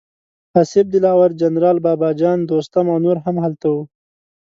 اصف دلاور، جنرال بابه جان، دوستم او نور هم هلته وو.